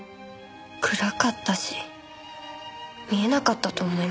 暗かったし見えなかったと思います。